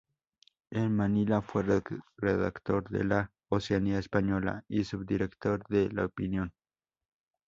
En Manila fue redactor de "La Oceanía Española" y subdirector de "La Opinión".